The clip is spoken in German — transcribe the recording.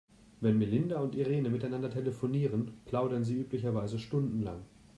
Wenn Melinda und Irene miteinander telefonieren, plaudern sie üblicherweise stundenlang.